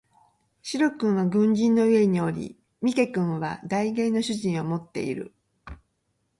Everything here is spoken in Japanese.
白君は軍人の家におり三毛君は代言の主人を持っている